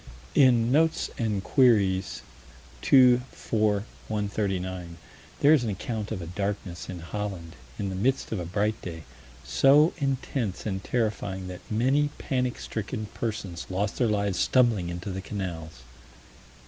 In Notes and Queries, 2 4 139, there is an account of a darkness in Holland, in the midst of a bright day, so intense and terrifying that many panic stricken persons lost their lives stumbling into the canals.